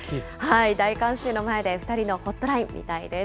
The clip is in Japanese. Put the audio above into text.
大観衆の前で２人のホットライン、見たいです。